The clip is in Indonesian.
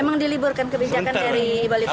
memang diliburkan kebijakan dari bali kota